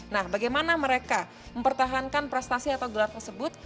nah bagaimana mereka mempertahankan prestasi atau gelar tersebut